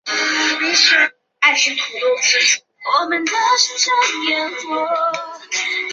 旧埤里是中华民国台湾嘉义县太保市辖下的行政区。